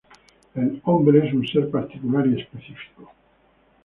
El hombre es un ser particular y específico.